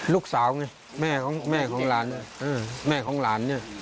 ลูกสาวไงแม่ของหลานเนี่ย